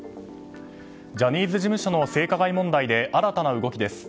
ジャニーズ事務所の性加害問題で新たな動きです。